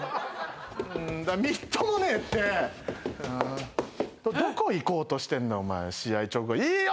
プスーッみっともねえってどこ行こうとしてんだよお前試合直後いいよ！